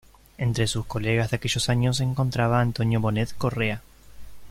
Entre sus colegas de aquellos años se encontraba Antonio Bonet Correa.